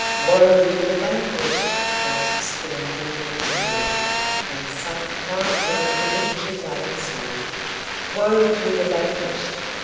"Woe to the vanquished!" was stern Brenno's word, When sunk proud Rome beneath the Gallic sword "Woe to the vanquished!"